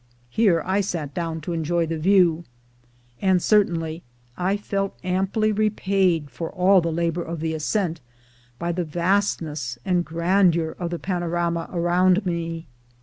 Here I sat down to enjoy the view, and certainly I felt amply repaid for all the labor of the ascent, by the vastness and grandeur of the pano rama around me.